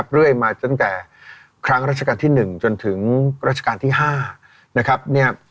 เรื่อยมาจนแต่ครั้งราชกาลที่๑จนถึงราชกาลที่๕